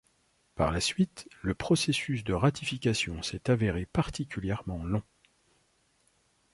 Par la suite, le processus de ratification s'est avéré particulièrement long.